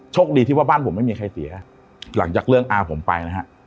คดีที่ว่าบ้านผมไม่มีใครเสียหลังจากเรื่องอาผมไปนะฮะ